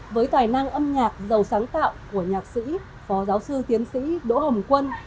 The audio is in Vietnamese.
với tài năng âm nhạc giàu sáng tạo của nhạc sĩ phó giáo sư tiến sĩ đỗ hồng quân